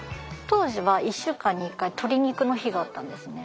当時は１週間に１回鶏肉の日があったんですね。